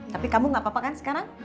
tapi kamu gak apa apa kan sekarang